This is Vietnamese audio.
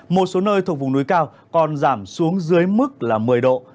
một số nơi thuộc vùng núi cao còn giảm xuống dưới mức là một mươi độ